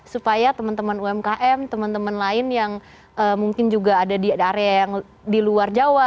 supaya teman teman umkm teman teman lain yang mungkin juga ada di area yang di luar jawa